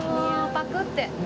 パクッて。